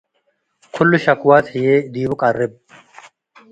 ክሉ ሸክዋት ህዬ ዲቡ ቀርብ።